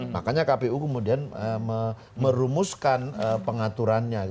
makanya kpu kemudian merumuskan pengaturannya